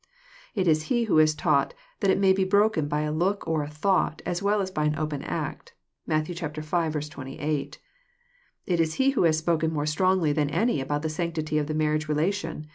It is He who has taught that it may be broken by a look or a thought, as well as by an open act. (Matt. v. 28.) It is He who has spoken more strongly than any about the sanctity of the marriage relation.